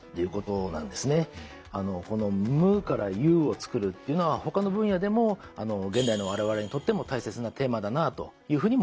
あのこの無から有を作るっていうのはほかの分野でも現代の我々にとっても大切なテーマだなというふうにも思いました。